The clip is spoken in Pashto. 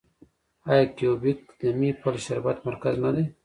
آیا کیوبیک د میپل شربت مرکز نه دی؟